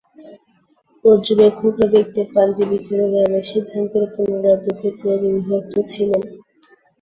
পর্যবেক্ষকরা দেখতে পান যে, বিচারকরা তাদের সিদ্ধান্তের পুনরাবৃত্ত প্রয়োগে বিভক্ত ছিলেন।